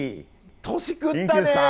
年食ったね！